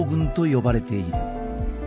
呼ばれている。